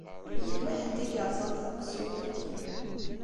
Yella ḥedd i yeṛẓan taqessult-aki.